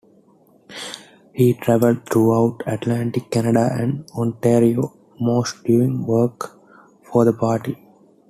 He travelled throughout Atlantic Canada and Ontario mostly doing work for the party.